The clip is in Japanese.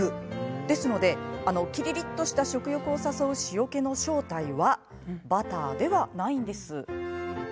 ですので、あのキリリッとした食欲を誘う塩気の正体はバターではないんです。